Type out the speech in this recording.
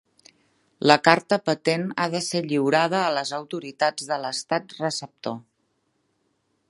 La carta patent ha de ser lliurada a les autoritats de l'estat receptor.